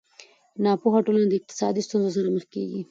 ناپوهه ټولنه له اقتصادي ستونزو سره مخ کېږي.